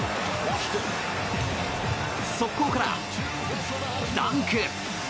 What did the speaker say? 速攻からダンク！